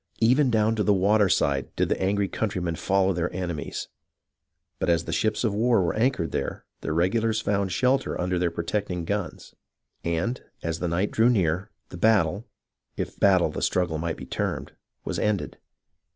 Even down to the waterside did the angry countrymen follow their enemies ; but as the ships of war were anchored there, the regulars found a shelter under their protecting guns, and, as the night drew near, the battle, if battle the struggle might be termed, was ended.